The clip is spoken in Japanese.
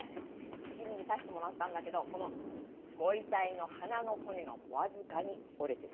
先に見させてもらったんだけどこのご遺体の鼻の骨がわずかに折れてる。